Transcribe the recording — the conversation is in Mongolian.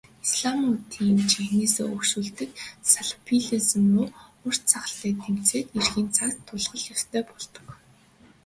Исламистуудыг жинхэнээсээ өөгшүүлдэг салафизм руу урт сахалтай тэмцээд ирэхийн цагт тулах л ёстой болдог.